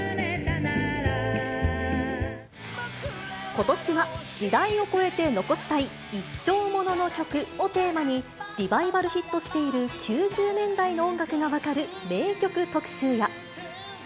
ことしは時代を越えて残したい一生モノの曲をテーマに、リバイバルヒットしている９０年代の音楽が分かる名曲特集や。